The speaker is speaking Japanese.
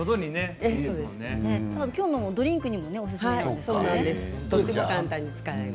今日はドリンクにもおすすめですね。